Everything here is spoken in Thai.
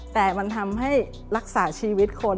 แต่มันทำให้รักษาชีวิตคน